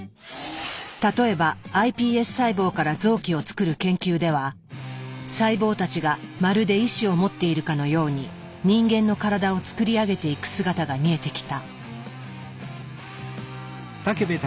例えばｉＰＳ細胞から臓器を作る研究では細胞たちがまるで意思を持っているかのように人間の体をつくり上げていく姿が見えてきた。